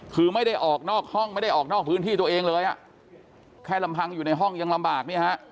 คือไม่ได้ออกนอกห้องไม่ได้ออกนอกพื้นที่ตัวเองเลยอ่ะแค่ลำพังอยู่ในห้องยังลำบากเนี่ยฮะ